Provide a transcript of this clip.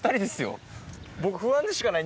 僕。